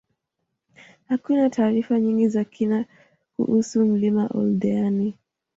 Hakuna taarifa nyingi za kina kuhusu mlima Oldeani